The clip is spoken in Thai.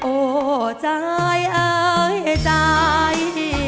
โอ้ชายเอ้ยชาย